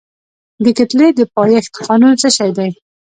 د کتلې د پایښت قانون څه شی دی؟